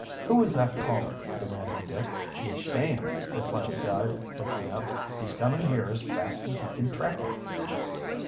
"Who is that calling?" demanded Dick. "It's Sam," replied the guide, looking up. "He's coming here as fast as he can track it."